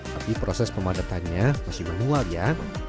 tapi proses pemadatannya masih manual ya